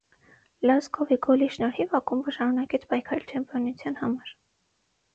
Լոսկովի գոլի շնորհիվ ակումբը շարունակեց պայքարել չեմպիոնության համար։